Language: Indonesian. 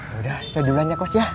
sudah setulahnya kos ya